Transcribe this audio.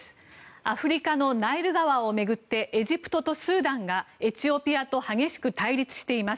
アフリカのナイル川を巡ってエジプトとスーダンがエチオピアと激しく対立しています。